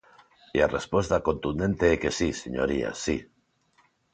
E a resposta contundente é que si, señoría, si.